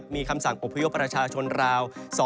มีคำสั่งอพยพประชาชนราว